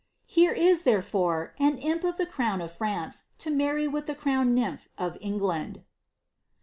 Here is, therefore, an imp of the crown of France to marry with the crowned nymph of England."